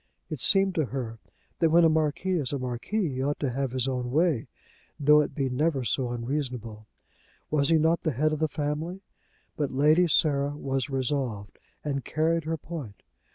It seemed to her that when a marquis is a marquis he ought to have his own way, though it be never so unreasonable. Was he not the head of the family? But Lady Sarah was resolved, and carried her point.